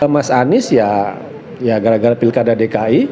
mas anies ya gara gara pilkada dki